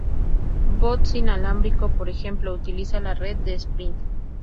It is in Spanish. Boost inalámbrico, por ejemplo, utiliza la red de Sprint.